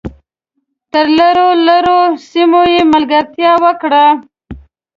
تر لرو لرو سیمو یې ملګرتیا وکړه .